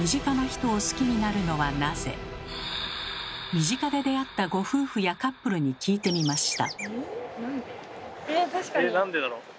身近で出会ったご夫婦やカップルに聞いてみました。